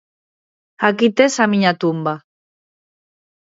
Aquí tes a miña tumba.